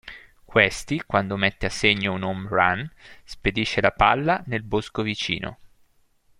Questi quando mette a segno un home run, spedisce la palla nel bosco vicino.